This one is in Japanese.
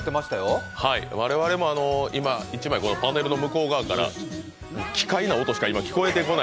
はい、我々も今、１枚パネルの向こう側から奇怪な音しか聞こえてこない。